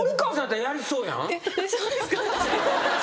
そうですか？